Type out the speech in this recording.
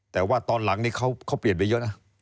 แต่ว่าตอนหลังนี้เขาเปลี่ยนไปเยอะนะ